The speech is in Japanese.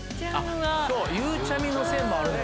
ゆうちゃみの線もあるね。